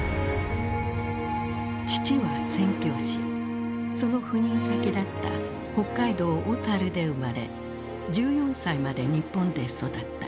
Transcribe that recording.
父は宣教師その赴任先だった北海道小樽で生まれ１４歳まで日本で育った。